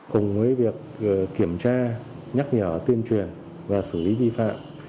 cùng với việc kiểm tra nhắc nhở tuyên truyền và xử lý vi phạm